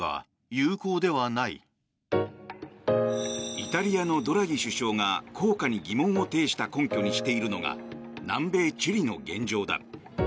イタリアのドラギ首相が効果に疑問を呈した根拠にしているのが南米チリの現状だ。